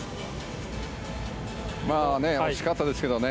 惜しかったですけどね。